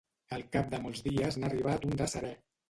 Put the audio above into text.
Al cap de molts dies n'ha arribat un de serè.